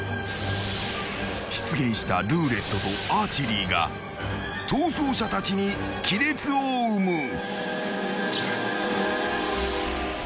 ［出現したルーレットとアーチェリーが逃走者たちに亀裂を生む］